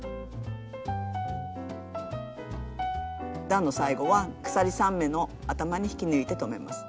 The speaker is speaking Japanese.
段の最後は鎖３目の頭に引き抜いて止めます。